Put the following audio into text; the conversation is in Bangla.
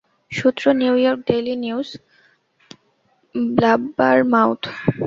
সূত্র নিউইয়র্ক ডেইলি নিউজ, ব্লাববারমাউথ।